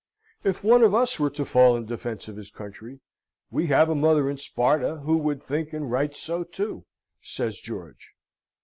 "If one of us were to fall in defence of his country, we have a mother in Sparta who would think and write so too," says George.